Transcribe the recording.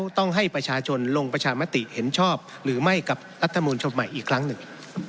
ต้องให้ประชาชนลงประชามติเห็นชอบหรือไม่กับรัฐมนูลชนใหม่อีกครั้งหนึ่ง